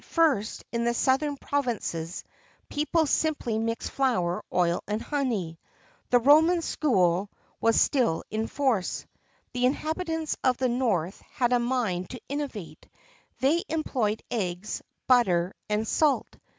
At first, in the southern provinces, people simply mixed flour, oil, and honey. The Roman school was still in force. The inhabitants of the north had a mind to innovate; they employed eggs, butter, and salt.